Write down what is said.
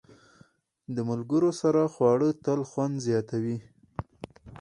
د ملګرو سره خواړه تل خوند زیاتوي.